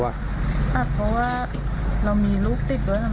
เวลากลับก็มีคนให้ยิน